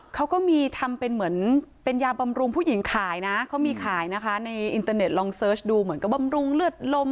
เขาก็มีทำเป็นเหมือนเป็นยาบำรุงผู้หญิงขายนะเขามีขายนะคะในอินเตอร์เน็ตลองเสิร์ชดูเหมือนกับบำรุงเลือดลม